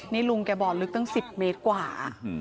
นี่ลุงแกบ่อลึกตั้ง๑๐เมตรกว่า